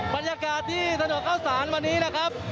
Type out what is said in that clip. บรรยากาศที่ถนนเข้าสารวันนี้นะครับ